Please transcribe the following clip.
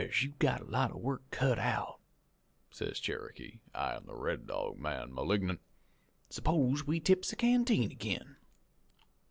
"'As you've got a lot of work cut out,' says Cherokee, eyein' the Red Dog man malignant, 's'pose we tips the canteen ag'in.'